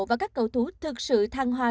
và các cầu thú thực sự thăng hoa